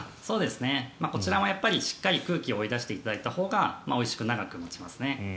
こちらもやっぱりしっかり空気を追い出していただいたほうがおいしく長く持ちますね。